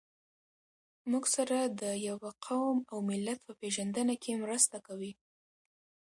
موږ سره د يوه قوم او ملت په پېژنده کې مرسته کوي.